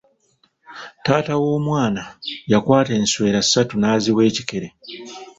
Taata w'omwana yakwata enswera ssatu n'aziiwa ekikere.